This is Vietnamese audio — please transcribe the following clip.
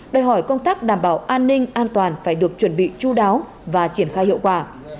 đòi hỏi công tác đảm bảo an ninh an toàn phải được chuẩn bị chú đáo và triển khai hiệu quả